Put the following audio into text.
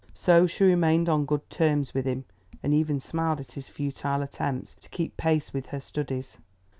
So she remained on good terms with him, and even smiled at his futile attempts to keep pace with her studies.